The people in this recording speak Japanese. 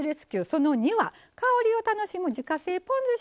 その２は香りを楽しむ自家製ポン酢しょうゆ。